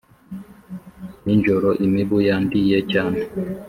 Ninjoro imibu yandiye cyane